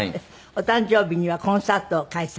お誕生日にはコンサートを開催。